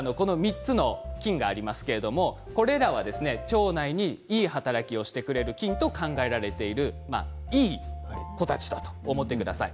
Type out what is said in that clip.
まずね３つの菌がありますけれどもこれらは腸内にいい働きをしてくれる菌と考えられているいい子たち、と思ってください。